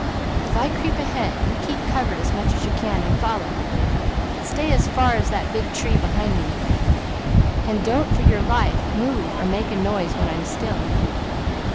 If I creep ahead, you keep covered as much as you can and follow; but stay as far as that big tree behind me, and don't for your life move or make a noise when I'm still.